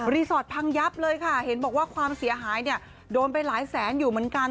สตพังยับเลยค่ะเห็นบอกว่าความเสียหายเนี่ยโดนไปหลายแสนอยู่เหมือนกัน